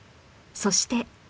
そして